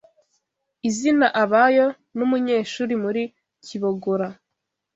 Izina ABAYO n’umunyeshuri muri Kibogora